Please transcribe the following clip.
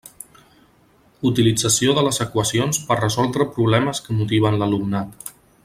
Utilització de les equacions per a resoldre problemes que motiven l'alumnat.